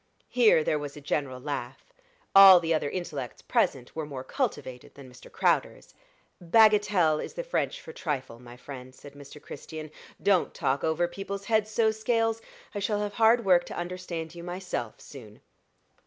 Here there was a general laugh. All the other intellects present were more cultivated than Mr. Crowder's. "Bagatelle is the French for trifle, my friend," said Mr. Christian. "Don't talk over people's heads so, Scales. I shall have hard work to understand you myself soon."